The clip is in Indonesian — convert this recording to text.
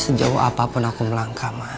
sejauh apapun aku melangkah